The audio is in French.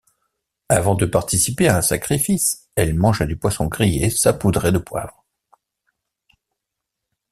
Avant de participer à un sacrifice elle mangea du poisson grillé saupoudré de poivre.